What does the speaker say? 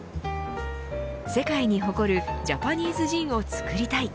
世界に誇るジャパニーズジンを作りたい